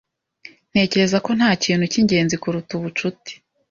Ntekereza ko nta kintu cyingenzi kuruta ubucuti.